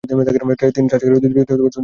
তিন টেস্ট সিরিজের দুইটিতে তিনি সেঞ্চুরি করেন।